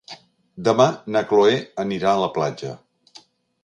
Demà na Cloè anirà a la platja.